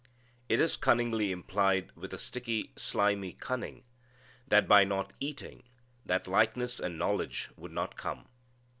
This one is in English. It is cunningly implied with a sticky, slimy cunning that, by not eating, that likeness and knowledge would not come.